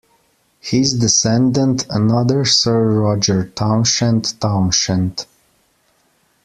His descendant, another Sir Roger Townshend Townshend.